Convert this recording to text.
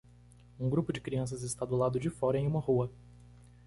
Um grupo de crianças está do lado de fora em uma rua.